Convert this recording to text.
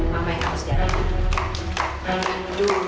mama yang harus jalan